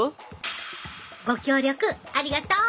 ご協力ありがとう。